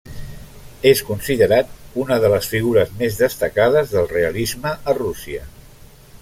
És considerat una de les figures més destacades del realisme a Rússia.